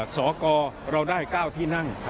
สกเราได้๙ที่นั่ง